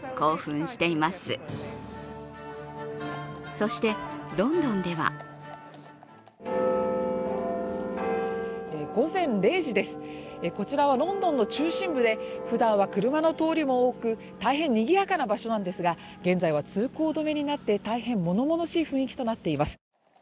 そして、ロンドンでは午前０時です、こちらはロンドンの中心部で、ふだんは車の通りも多く大変にぎやかな場所なんですが現在は通行止めになって大変ものものしい雰囲気となっています。